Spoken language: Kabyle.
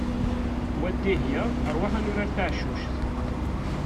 Wa Dihya ṛwaḥ ad nurar taɛcuct!